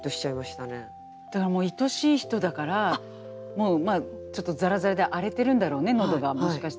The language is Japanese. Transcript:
だからもういとしい人だからちょっとざらざらで荒れてるんだろうね喉がもしかしたら。